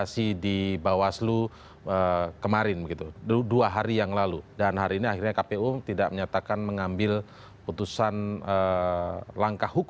silakan untuk dipodul